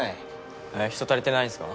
えっ人足りてないんすか？